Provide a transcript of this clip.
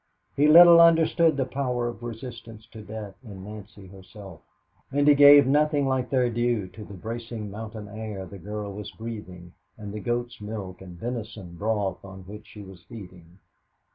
He little understood the power of resistance to death in Nancy herself, and he gave nothing like their due to the bracing mountain air the girl was breathing and the goat's milk and venison broth on which she was feeding.